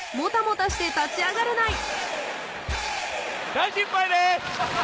大失敗です！